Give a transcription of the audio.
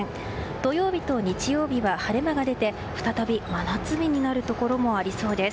土曜日と日曜日は晴れ間が出て再び真夏日になるところもありそうです。